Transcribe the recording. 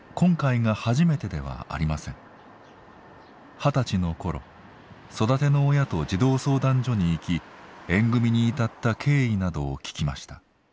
二十歳の頃育ての親と児童相談所に行き縁組に至った経緯などを聞きました。